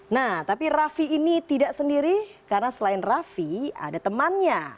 nah tapi raffi ini tidak sendiri karena selain raffi ada temannya